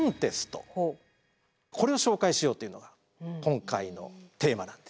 これを紹介しようというのが今回のテーマなんですよ。